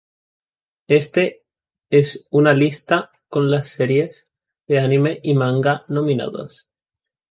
Este es una lista con las series de anime y manga nominados.